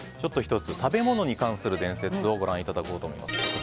１つ、食べ物に関する伝説をご覧いただこうと思います。